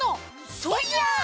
そいや！